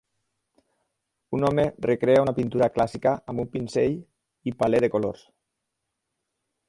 Un home recrea una pintura clàssica amb un pinzell i palet de colors